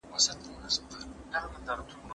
ما به پخوا دا ټولې ځمکې په خپلو لاسونو پاللې.